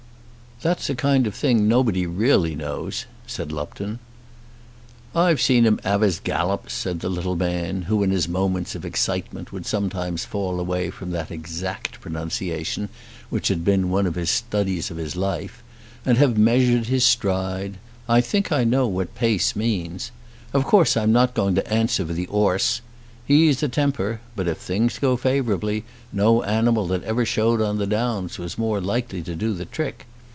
"That's a kind of thing nobody really knows," said Lupton. "I've seen him 'ave his gallops," said the little man, who in his moments of excitement would sometimes fall away from that exact pronunciation which had been one of the studies of his life, "and have measured his stride. I think I know what pace means. Of course I'm not going to answer for the 'orse. He's a temper, but if things go favourably, no animal that ever showed on the Downs was more likely to do the trick.